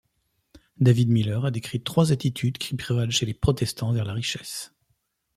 David Miller a décrit trois attitudes qui prévalent chez les protestants vers la richesse.